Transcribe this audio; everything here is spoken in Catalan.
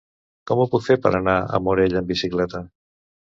Com ho puc fer per anar a Morella amb bicicleta?